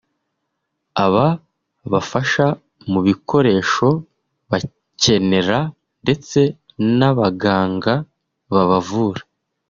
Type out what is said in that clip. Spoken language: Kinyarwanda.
ababafasha mu bikoresho bakenera ndetse n’abaganga babavura